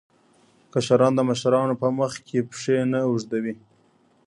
کشران د مشرانو په مخ کې پښې نه اوږدوي.